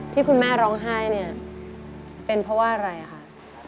ที่คุณแม่ร้องไห้เนี่ยเป็นเพราะว่าอะไรคะ